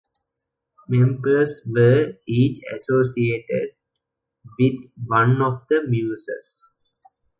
Members were each associated with one of the Muses.